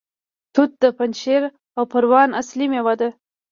توت د پنجشیر او پروان اصلي میوه ده.